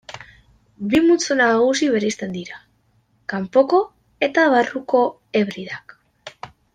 Bi multzo nagusi bereizten dira: Kanpoko eta Barruko Hebridak.